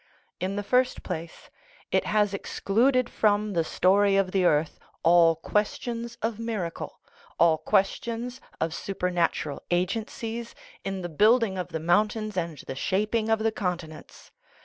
In the first place, it has excluded from the story of the earth all questions of miracle, all questions of super natural agencies, in the building of the mountains and the shaping of the continents.